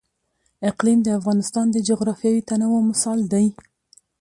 اقلیم د افغانستان د جغرافیوي تنوع مثال دی.